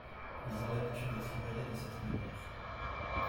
Ils ont l’habitude de travailler de cette manière.